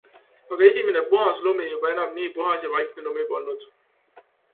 Aga esimene puhas lumi juba enam nii puhas ja vaikne lumi polnud.